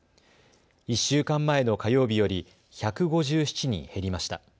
１週間前の火曜日より１５７人減りました。